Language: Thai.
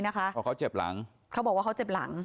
เพราะเขาเจ็บหลังเขาบอกว่าเขาเจ็บหลัง